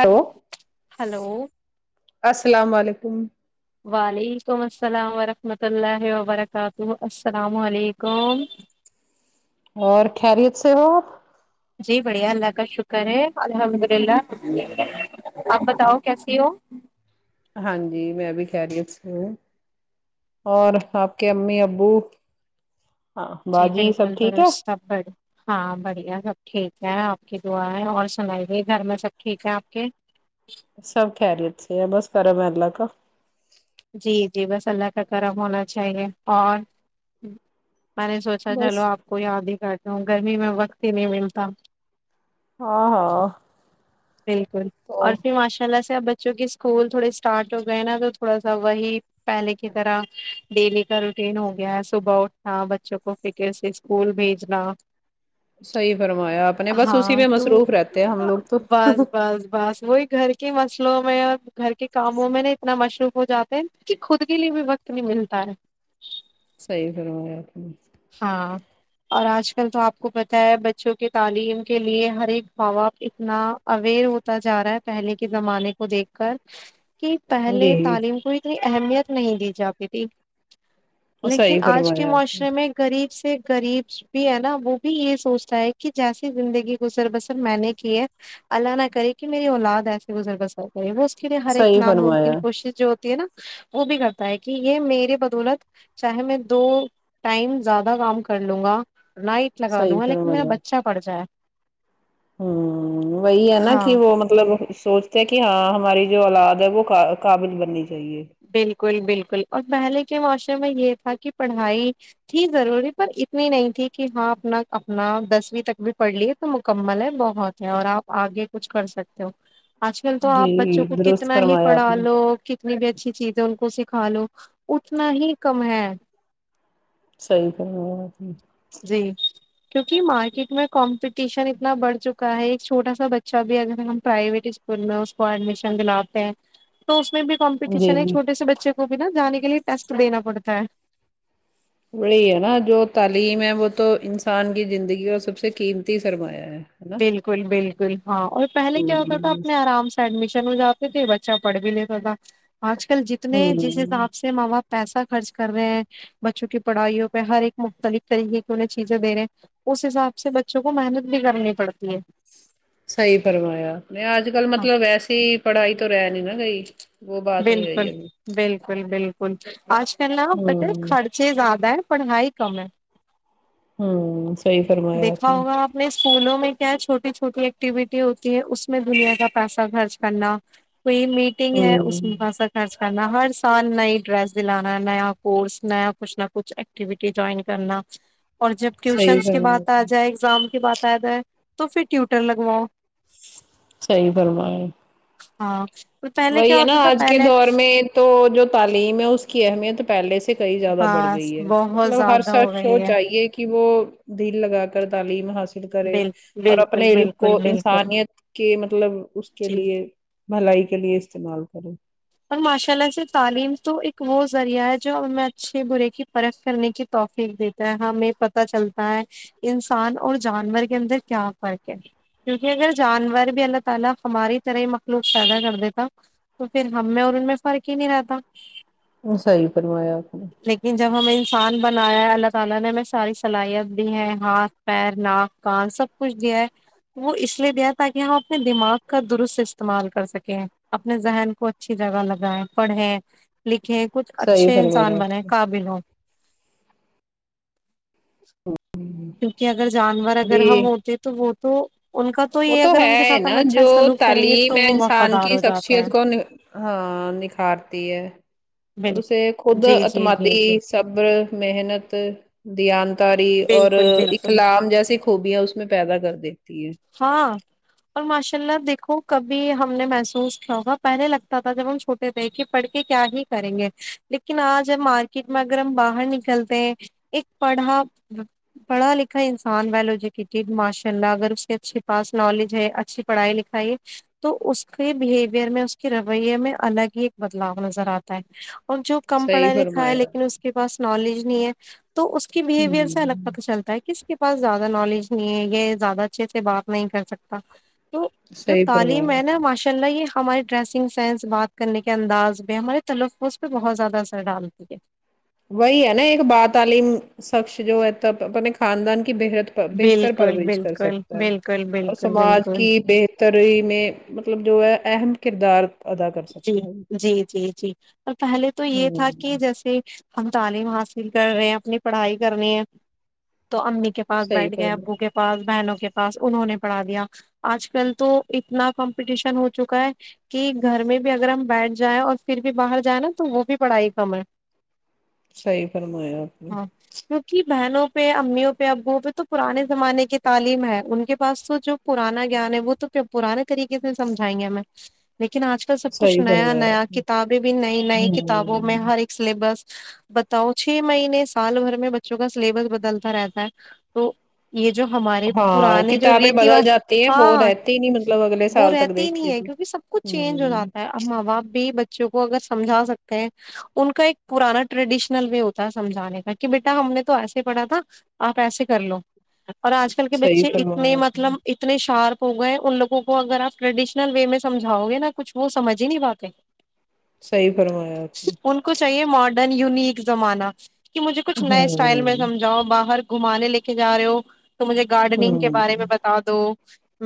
hello hello السلام وعلیکم وعلیکم السلام ورحمۃ اللہ وبرکاتہ السلام علیکم اور خیریت سے ہو جی بڑھیا اللہ کا شکر ہے الحمد للہ آپ بتاؤ کیسی ہو ہاں جی میں بھی خیریت سے ہوں اور آپ کے امی ابو ا باجی سب ٹھیک ہے ہائے ہاں بڑھیا سب ٹھیک ہے آپ کی دعا ہے اور سنائیے گھر میں سب ٹھیک ہے آپ کے سب خیریت سے بس کرم ہے اللہ کا جی جی بس اللہ کا کرم ہونا چاہیے اور میں نے سوچا چلو بس آپ کو یاد ہی کرتا ہوں گرمی میں وقت ہی نہیں ملتا ہاں ہاں بالکل تو اور پھر ماشاء اللہ سے اب بچوں کے اسکول تھوڑے اسٹارٹ ہو گئے نا تو تھوڑا سا وہی پہلے کی طرح ڈیلی کا روٹین ہو گیا ہے صبح اٹھنا بچوں کو فکر سے اسکول بھیجنا صحیح فرمایا آپ نے بس اسی ہاں میں تو مصروف رہتے ہیں ہم لوگ تو بس بس بس وہی گھر کے مسلوں میں اور گھر کے کاموں میں نا اتنا مصروف ہو جاتے ہیں خود کے لیے بھی وقت نہیں ملتا ہے صحیح فرمایا آپ نے ہاں اور آج کل تو آپ کو پتہ ہے بچوں کے تعلیم کے لیے ہر ایک ماں باپ اتنا اوئر ہوتا جا رہا ہے پہلے کے زمانے کو دیکھ کر کہ پہلے جی تعلیم کو اتنی اہمیت نہیں دی جاتی تھی لیکن صحیح آج کے فرمایا آپ نے معاشرے میں غریب سے غریب بھی ہے نا وہ بھی یہ سوچتا ہے کہ جیسی زندگی گزر بسر میں نے کی ہے اللہ نہ کرے کہ میری اولاد ایسے گزر بسر وہ اس کے لیے ہر ایک صحیح فرمایا ناممکن کوشش جو ہوتی ہے نا وہ بھی کرتا ہے کہ یہ میرے بدولت چاہے میں دو ٹائم زیادہ کام کر لوں گا نائٹ لگا صحیح لوں گا لیکن میرا فرمایا بچہ پڑ جائے ہوں وہی ہے نا کہ ہاں وہ مطلب سوچ کیا ہے کہ ہاں ہماری جو اولاد ہے وہ قا قابل بننی چاہیے بالکل بالکل اور پہلے کے معاشرے میں یہ تھا کہ پڑھائی تھی ضروری پر اتنی نہیں تھی کہ ہاں اپنا اپنا دسویں تک بھی پڑھ لیے تو مکمل ہے بہت ہے اور آپ آگے کچھ کر سکتے ہو آج کل تو جی آپ بچوں کو درست کتنا ہی فرمایا آپ پڑھا نے لو کی جتنی بھی اچھی چیزیں ان کو سکھا لو اتنا ہی کم ہے صحیح کہا آپ نے جی کیوںکہ مارکیٹ میں کمپٹیشن اتنا بڑ چکا ہے ایک چھوٹا سا بچہ بھی اگر ہم پرائیویٹ اسکول میں اس کو ایڈمیشن دلاتے ہیں تو اس میں بھی جی کمپٹیشن ہے جی چھوٹے سے بچے کو بھی نا جانے کے لیے ٹیسٹ دینا پڑتا ہے وہی ہے نا جو تعلیم ہے وہ تو انسان کی زندگی اور یہ سب سے قیمتی سرمایا ہے نا بالکل بالکل ہاں اور پہلے کیا ہوتا ہوں تھا اپنے آرام سے ایڈمیشن ہو جاتے تھے بچہ پڑھ بھی لیتا تھا آج کل جتنے جس ہوں حساب سے سے ماں باپ پیسہ خرچ کر رہے ہیں بچوں کی پڑھائیوں پہ ہر ایک مختلف طریقے کی انہیں چیزیں دینے اس حساب سے بچوں کو محنت بھی کرنی پڑتی ہے صحیح فرمایا نے آج کل ہاں مطلب ویسے پڑھائی تو رہے نہیں نا گئی وہ بات نہیں رہی بالکل ابھی بالکل بالکل آج کل نہ پتہ ہوں ہے چھے زیادہ ہے پڑھائی کم ہے ہوں صحیح فرمایا آپ دیکھا نے ہوگا اپنے اسکولوں میں کیا چھوٹی چھوٹی ایکٹیویٹی ہوتی ہے اس میں دنیا کا پیسہ خرچ کرنا کوئی میٹنگ ہے اس ہوں مقصد خرچ کرنا ہر سال نئی ڈرس دلانہ نیا کورس نیا کچھ نہ کچھ اکٹیوٹی جوائن کرنا اور جب صحیح ٹیوشنس کے فرمایا بات آپ آ نے، جائے ایکزام کے بات آ جائے تو پھر ٹیوٹر لگواؤ صحیح فرمایا ہاں پہلے وہی کیا ہے نا ہوتا تھا آج کے پہلے دور میں تو جو تعلیم ہے اس کی اہمیت پہلے سے کئی زیادہ بڑھ بس گئی ہے بہت مطلب ہر زیادہ ہو شخص شو گئی ہے چاہئیے کہ وہ دل لگا کر تعلیم حاصل حل کرے بالکل اور بالکل اپنے علم کو بالکل بالکل انسانیت کے مطلب اس کے جی لیے بھلائی کے لیے استعمال کرے اور ماشاء اللہ سے تعلیم تو ایک وہ ذریعہ ہے جوہمیں اچھے برے کی پرک کرنے کی توقیق دیتی ہمیں پتا چلتا ہے انسان اور جانور کے اندر کیا فرق ہے کیونکہ اگر جانور بھی اللہ تعالی ہماری طرح ہی مخلوق پیدا کر دیتا تو پھر ہم میں اور ان میں فرق ہی نہیں رہتا صحیح فر مایا آپ نے لیکن جب ہمیں انسان بنایا ہے اللہ تعالی نے ہمیں ساری صلاحیت دی ہے ہاتھ پیر ناک کان سب کچھ دیا ہے وہ اس لیے دیا تاکہ ہم اپنے دماغ کا درست استعمال کر سکیں اپنے ذہن کو اچھی جگہ لگائیں پڑھیں لکھیں کچھ صحیح اچھے فرمایا انسان آپ بنے نے قابل ہوں ہوں، کیونکہ اگر جانور اگر ابھی ہم ہوتے تو وہ تو ان کا وہ یہ تو اگر ان کے ہے ساتھ ہم نا اچھا جو سلوک کریں گے تعلیم تو ہے وہ انسان وفادار کی ہو جاتے ہیں شخصیت کو ہاں نکھارتی ہے اور بالکل اسے خود جی جی جی اعتمادی جی صبر محنت دیانتداری اور بالکل اور بالکل اخلاق جیسی خوبیاں اس میں پیدا کر دیتی ہیں ہاں اور ماشاء اللہ دیکھو کبھی ہم نے محسوس کیا ہوگا پہلے لگتا تھا جب ہم چھوٹے لکھ پڑھ کے کیا ہی کریں گے لیکن آج ہم مارکیٹ میں اگر ہم باہر نکلتے ہیں ایک پڑھا پڑھا لکھا انسان ولوجٹی ماشاء اللہ اگر اس جس کے پاس نالج ہے اچھی پڑھائی لکھائی ہے اس کے بہیوئر میں اس کے رویے میں الگ ہی ایک بدلاؤ نظر آتا ہے اور جو کم صحیح پڑھا لکھا ہے فرمایا لیکن اس کے پاس نالج نہیں ہے تو اس کے بہیویئر ہوں سے الگ پتا چلتا ہے کسی کے پاس زیادہ نالج نہیں ہے یا زیادہ اچھے سے بات نہیں کر سکتا تو جو صحیح تعلیم فرمایا ہے نا ماش الله یہ ہماری ڈریسنگ سینس بات کرنے کے انداز پہ ہمارے تلفظ پہ بہت زیادہ اثر ڈالتی ہے وہی ہے نا ایک با تعلیم شخص جو ہے تب اپنے خاندان کی بےحد بہتر بالکل پرویش کر بالکل سکتا ہے بالکل اور بالکل سماج بالکل کی بہ تری میں مطلب جو ہے اہم کردار ادا کر جی سکتا ہے جی جی جی اور پہلے تو یہ تھا ہوں کہ جیسے ہم تعلیم حاصل کر رہے ہیں اپنی پڑھائی کر رہی ہیں تو امی کے پاس صحیح بیٹھ گئے ابو فرمایا کے پاس بہنوں کے پاس انہوں نے پڑھا دیا آج کل تو اتنا کمپٹیشن ہو چکا ہے کہ گھر میں بھی اگر ہم بیٹھ جائیں اور پھر بھی باہر جائیں نا تو وہ بھی پڑھائی کم ہے صحیح فرمایا آپ نے کیوںکہ بہنوں پہ امیوں پہ ابووں پہ تو پرانے زمانے کی تعلیم ہے ان کے پاس تو جو پرانا گیان ہے وہ تو پرانے طریقے سے سمجھائیں گے ہمیں لیکن آج کل سب کچھ صحیح نیا فرمایا نیا آپ نے کتابیں بھی نئی نئی کتابوں میں ہوں ہر ایک سلیبس بتاؤ چھ مہینے سال بھر میں بچوں کا سلیبس بدلتا رہتا ہے تو یہ جو ہمارے ہاں پرانے جو کتابیں ریتی بدل جاتی ہیں والا وہ ہاں رہتی نہیں مطلب اگلے وہ سال تک رہتی ہی نہیں دیکھیے ہے تو کیونکہ سب کچھ چینج ہو ہوں جاتا ہے اب ماں باپ بھی بچوں کو اگر سمجھا سکتے ہیں ان کا ایک پرانا ٹریڈیشنل وے ہوتا ہے سمجھانے کا کہ بیٹا ہم نے تو ایسے پڑھا تھا آپ ایسے کر لو اور آج کل کے صحیح بچے اتنے فرمایا آپ مطلب ات نے شارپ ہو گئے ان لوگوں کو اگر آپ ریڈیشنل وے میں سمجھ ھاؤ گے نا کچھ وہ سمجھ ہی نہیں پاتے صحیح فرمایا آپ نے ان کو چاہیے ماڈرن یونک زمانہ کہ مجھے کچھ نئے اسٹائل میں ہوں سمجھاؤ باہر کو گھمانے لے کے جا رہے ہو تو مجھے گارڈنگ کے ہوں بارے میں ب بتا دو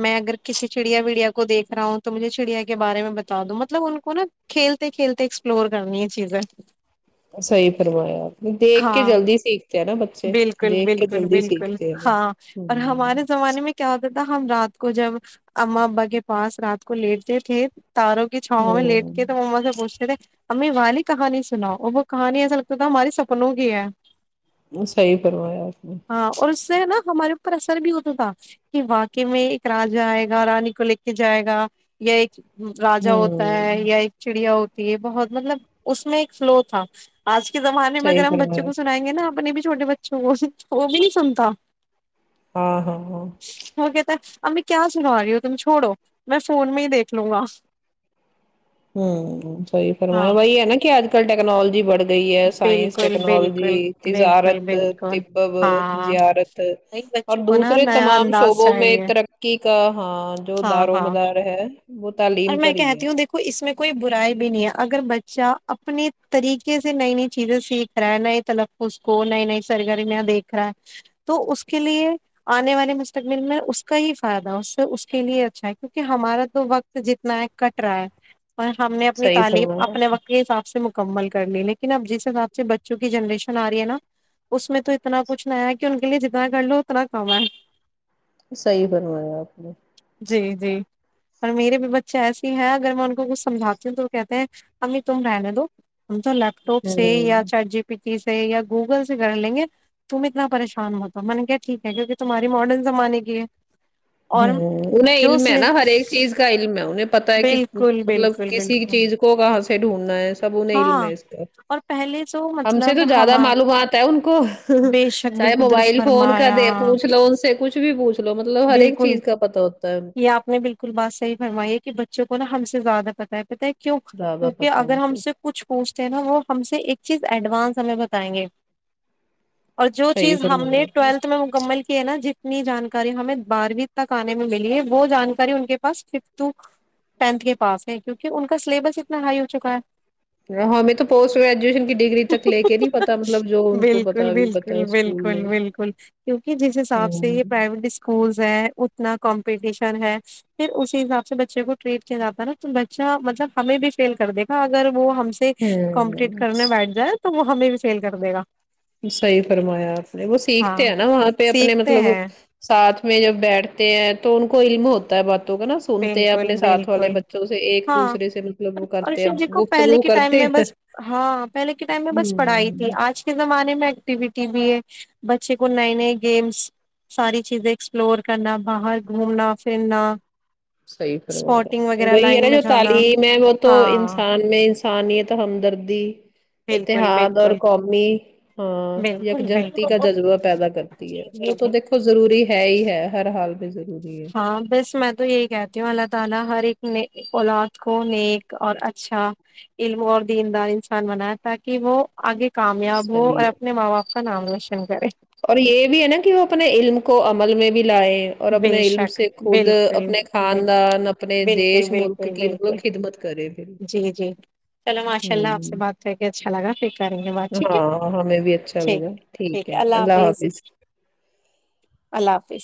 میں اگر کسی چڑیا وڑیا کو دیکھ رہا ہوں تو مجھے چڑیا کے بارے میں بتا دو مطلب ان کو نا کھیلتے کھیلتے ایکسپلور کرنی یہ چیزیں صحیح فرمایا آپ نے دیکھ کے ہاں جلدی سیکھتے ہیں نا بچے بالکل دیکھ کے بالکل جلدی بالکل سیکھتے ہیں ہاں اور ہوں ہمارے زمانے میں کیا ہوتا تھا ہم رات کو جب اماں ابا کے پاس رات کو لیٹ تے تھے تاروں کی چھاؤں میں لیٹ کے تھے تو مما سے پوچھتے تھے امی والی کہانی سناؤ اور وہ کہانی ایسا لگتا تھا ہمارے سپنوں کی ہے صحیح فرمایا آپ نے ہاں اور اس سے نا ہمارے اوپر اثر بھی ہوتا تھا کہ واقع میں ایک راجا آئے گا رانی کو لے کے جائے گا یا ایک راجا ہوتا ہوں ہے یا ایک چڑیا ہوتی ہے بہت مطلب اس میں ایک فلو تھا آج کے زمانے میں اگر صحیح ہم بچوں فرمایا کو سنائیں ہے نہ اپنے بھی چھوٹے بچے وہ سے وہ بھی نہیں سنتا ہاں ہاں ہاں وہ کہتا امی کیا سنا رہی ہو تم چھوڑو میں فون میں ہی دیکھ لوں گا ہوں صحیح فرمایا ہاں وہی ہے نا کہ آج کل ٹیکنالوجی بڑھ گئی ہے سائنس بالکل ٹیکنالوجی بالکل بالکل تجارت بالکل طب ہاں زیارت اور بچوں کو نا دوسرے نیا تمام انداز شعبوں میں چاہیے ترقی کا ہاں جو ہاں دار و ہاں مدار ہے وہ اور تعلیم میں پر ہی ہے کہتی ہوں دیکھ و اس میں کوئی برائی بھی نہیں ہے اگر بچہ اپنے طریقے سے نئی نئی چیزیں سیکھ رہا ہے نئے طلب اس کو نئی نئی سرگرمیاں دیکھ رہا ہے تو اس کے لیے آنے والے مستقبل میں اس کا ہی فائدہ اس سے اس کے لیے اچھا ہے کیونکہ ہمارا تو وقت جتنا ہے کٹ رہا ہے اور ہم نے اپنی صحیح تعلیم اپنے فرمایا وقت کے حساب سے مکمل کر لی لیکن اب جس حساب سے بچوں کی جنریشن آ رہی ہے نا اس میں تو اتنا کچھ نیا ہے کہ ان کے لیے جتنا کر لو اتنا کم ہے صحیح فرمایا آپ نے جی جی اور میرے بھی بچے ایسے ہیں اگر میں ان کو کچھ سمجھاتی ہوں تو وہ کہتے ہیں امی تم رہنے دو ہم تو لیپ ٹاپ سے ہوں یا چٹ جی پی ٹی سے یا گوگل سے کر لیں گے تم اتنا پریشان مت ہو میں نے کیا ٹھیک ہے کیونکہ تمہاری ماڈرن زمانے کی ہے اور ہوں انہیں علم جوس ہے لے نا ہر ایک چیز کا علم ہے انہیں پتا ہے کہ بالکل مطلب بالکل کسی بالکل چیز کو کہاں سے ڈھونڈنا ہے سب انہیں علم ہاں ہے اس کا اور پہلے جو ہم سے تو مطلب ہم زیادہ معلومات ہے ان کو بے شک چاہے بالکل درست موبائل فون کا فرمایا دے پوچھ لو ان سے کچھ بھی پوچھ لو مطلب ہر ایک بالکل چیز کا پتا ہوتا ہے یہ آپ نے بالکل بات صحیح فرمائی ہے کہ بچوں کو نا ہم سے زیادہ پتہ ہے پتا ہے کیوں زیادہ کیونکہ پتا اگر ان ہم کو سے کچھ پوچتے ہے نا وہ ہم سے ایک چیز ایڈوانس ہمیں بتائیں گے اور جو صحیح چیز ہم فرمایا نے آپ ٹویلتھ میں مکمل نا جتنی جانکاری ہمیں بارہویں تک آنے میں ملی ہے وہ جانکاری ان کے پاس ففتھ تو ٹینتھ کے پاس ہے کیونکہ ان کا سلیبس اتنا ہائی ہو چکا ہے اں ہمیں تو پوسٹ گریجویشن کی ڈگری تک لے کے نہیں ہے پتا مطلب جو ان کو پتا ابھی پتا ہے اسکول بل میں بالکل کیونک جس حساب سے ہوں یہ پرائیویٹ اس کولز ہے اتنا کمپٹیشن ہے پھر اسی حساب بچے کو ٹریٹ کیا جاتا نا تو بچہ مطلب ہمیں بھی فیل کر دے گا اگر وہ ہم سے کمپٹیٹ ہوں کرنے بیٹھ جائے تو وہ ہمیں بھی فیل کر دے گا صحیح فرمایا آپ نے وہ ہاں سیکھتے ہیں نا وہاں پہ اپنے سیکھتے مطلب ہیں ساتھ میں جب بیٹھتے ہیں تو ان کو علم ہو تا ہے باتوں کا نا سنتے ہیں بالکل اپنے ساتھ والے بالکل بچوں سے ایک ہاں دوسرے سے مطلب وہ اور کرتے ہیں پھر دیکھو گفتگو پہلے کے ٹائم کرتے میں ہیں بس ہاں پہلے کے ٹائم میں بس پڑھائی تھی ہوں آج کے زمانے میں ایکٹیوٹی بھی ہے بچے کو نئے نئے گیمس ساری چیزیں ایکسپلور کرنا باہر گھومنا پھرنا صحیح فرمایا اسپوٹنگ وغیرہ وہی ہے لائن نا میں جو جانا تعلیم ہے وہ تو ہاں انسان میں انسانیت ہمدردی بالکل اتحاد اور بالکل قومی ہاں بالکل یکجہتی کا بالکل جذبہ پیدا کرتی ہے جی جی وہ تو جی دیکھ ضروری ہے ہی ہے ہر حال میں ضروری ہے ہاں بس میں تو یہی کہتی ہوں اللہ تعالی ہر ایک میں اولاد کو نیک اور اچھا علم اور دیندار انسان بنایا تاکہ وہ آگے کامیاب ہو اور صحیح ہے اپنے ماں باپ کا نام روشن کرے اور یہ بھی ہے نا کہ وہ اپنے علم کو عمل میں بھی لائے اور بے اپنے علم شک سے خود بالکل اپنے بے- خاندان اپنے بالکل دیش ملک بالکل کی بالکل مطلب خدمت کرے پھر جی جی چلو ماشاء اللہ آپ سے ہوں بات کر کے اچھا لگا پھر کرینگے بات ٹھیک ہے ہاں ہمیں بھی اچھا ٹھیک لگا ہے ٹھیک ہے اللہ حافظ اللہ حافظ